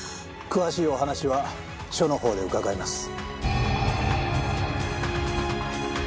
詳しいお話は署のほうで伺います。